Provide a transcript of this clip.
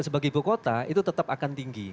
sebagai ibu kota itu tetap akan tinggi